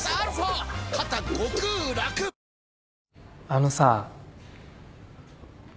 あのさ。